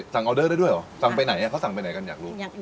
ออเดอร์ได้ด้วยเหรอสั่งไปไหนเขาสั่งไปไหนกันอยากรู้